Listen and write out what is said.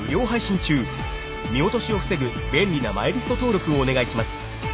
［見落としを防ぐ便利なマイリスト登録をお願いします］